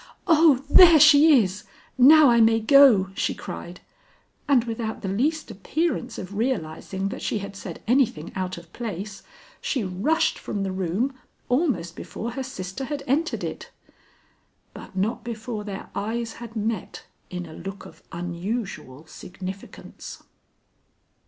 "Oh, there she is! Now I may go," she cried; and without the least appearance of realizing that she had said anything out of place, she rushed from the room almost before her sister had entered it. But not before their eyes had met in a look of unusual significance.